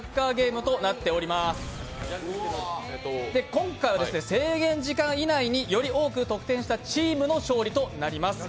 今回は制限時間以内により多く得点したチームの勝ちとなります。